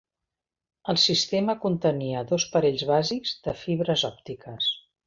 El sistema contenia dos parells bàsics de fibres òptiques.